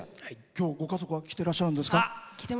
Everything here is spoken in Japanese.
今日ご家族は来ていらっしゃったんですか？